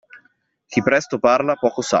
Chi presto parla, poco sa.